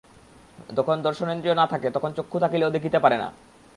যখন দর্শনেন্দ্রিয় না থাকে, তখন চক্ষু থাকিলেও দেখিতে পারি না।